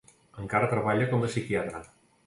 Encara treballa com a psiquiatre.